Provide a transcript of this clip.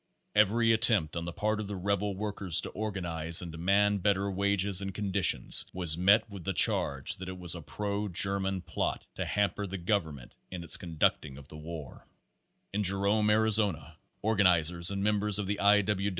Every attempt on the part of the rebel workers to organize and demand better wages and conditions was met with the charge that it was a pro German plet to hamper the government in its conducting of the war. Page Thirty two At Jerome, Arizona, organizers and members of the I.